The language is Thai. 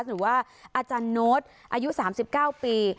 หรือว่าอาจารย์โน้ตอายุ๓๙ปี